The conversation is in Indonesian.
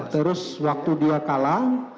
terus waktu dia kalah